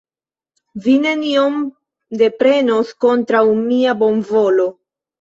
Vi nenion deprenos kontraŭ mia bonvolo.